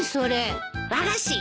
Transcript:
和菓子。